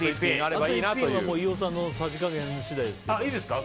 あと１品は飯尾さんのさじ加減ですけど。